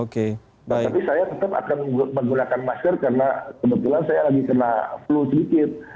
tapi saya tetap akan menggunakan masker karena kebetulan saya lagi kena flu sedikit